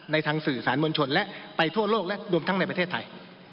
ในทางสื่อสารมวลชนและไปทั่วโลกและรวมทั้งในประเทศไทย